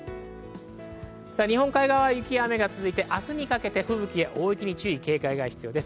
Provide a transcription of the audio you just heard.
日本海側は雪や雨が続いて明日にかけて吹雪、大雪に警戒が必要です。